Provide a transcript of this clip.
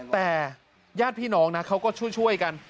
แต่ญาติพี่น้องนะเขาก็ช่วยกัน